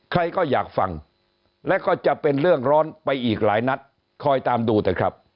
ใครก็อยากฟังแล้วก็จะเป็นเรื่องร้อนไปอีกหลายนัดคอยตามดูเถอะครับ